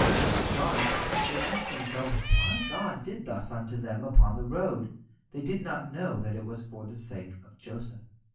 Astonished, they asked themselves why God did thus unto them upon the road. They did not know that it was for the sake of Joseph.